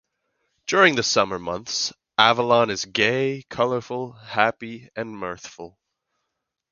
During the summer months Avalon is gay, colorful, happy, and mirthful.